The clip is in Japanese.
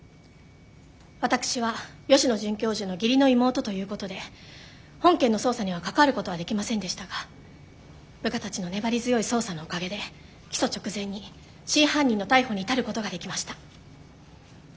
私は吉野准教授の義理の妹ということで本件の捜査には関わることはできませんでしたが部下たちの粘り強い捜査のおかげで起訴直前に真犯人の逮捕に至ることができました。